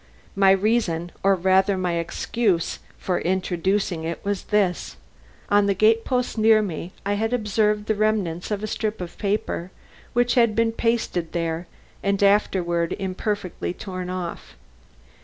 My reason or rather my excuse for introducing it was this: On the gate post near me I had observed the remnants of a strip of paper which had been pasted there and afterward imperfectly torn off.